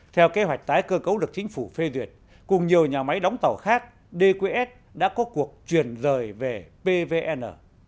theo kế hoạch tái cơ cấu được chính phủ phê duyệt cùng nhiều nhà máy đóng tàu khác dqs đã có cuộc chuyển rời về pvn